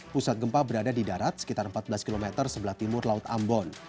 pusat gempa berada di darat sekitar empat belas km sebelah timur laut ambon